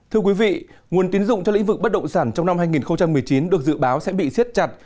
thưa quý vị nguồn tín dụng cho lĩnh vực bất động sản trong năm hai nghìn một mươi chín được dự báo sẽ bị siết chặt